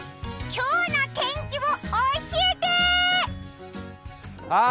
今日の天気を教えてー！